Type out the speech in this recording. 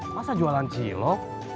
masa jualan cilok